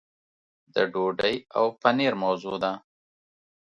د ډوډۍ او پنیر موضوع ده.